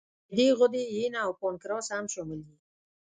د معدې غدې، ینه او پانکراس هم شامل دي.